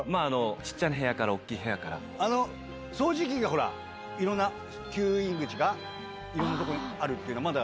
小っちゃな部屋から大きい部掃除機がほら、いろんな吸引口がいろんな所にあるっていうの、まだ？